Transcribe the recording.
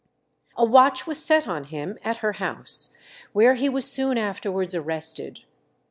A watch was set on him at her house, where he was soon afterwards arrested.